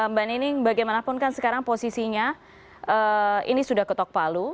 mbak nining bagaimanapun kan sekarang posisinya ini sudah ketok palu